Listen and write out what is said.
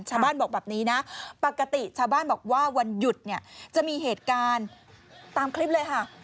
ชาวบ้านบอกแบบนี้นะปกติชาวบ้านบอกว่าวันหยุดเนี่ยจะมีเหตุการณ์ตามคลิปเลยค่ะ